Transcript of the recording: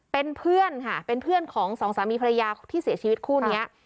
เป็นเพื่อนค่ะเป็นเพื่อนของสองสามีภรรยาที่เสียชีวิตคู่นี้